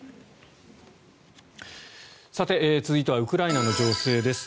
さて、続いてはウクライナの情勢です。